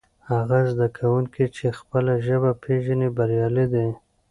هغه زده کوونکی چې خپله ژبه پېژني بریالی دی.